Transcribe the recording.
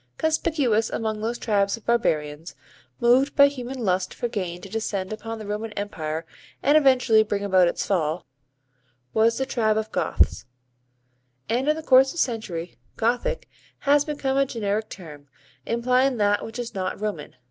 Conspicuous among those tribes of barbarians, moved by human lust for gain to descend upon the Roman Empire and eventually bring about its fall, was the tribe of Goths, and in the course of centuries "Gothic" has become a generic term, implying that which is not Roman.